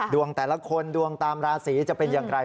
แต่ละคนดวงตามราศีจะเป็นอย่างไร